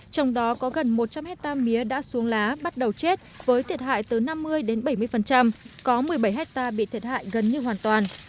trong đó có gần một trăm linh hectare mía đã xuống lá bắt đầu chết với thiệt hại từ năm mươi đến bảy mươi có một mươi bảy hectare bị thiệt hại gần như hoàn toàn